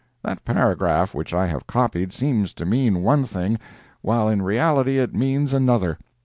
That paragraph which I have copied, seems to mean one thing, while in reality it means another.